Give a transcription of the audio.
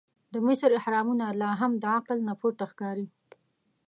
د مصر احرامونه لا هم د عقل نه پورته ښکاري.